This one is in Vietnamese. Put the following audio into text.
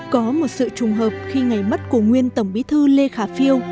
có một sự trùng hợp khi ngày mất của nguyên tổng bí thư lê khả phiêu